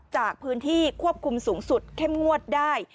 จากพื้นที่ควบคุมสูงสุดเข้มงวดได้